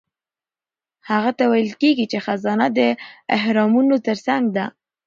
هغه ته ویل کیږي چې خزانه د اهرامونو ترڅنګ ده.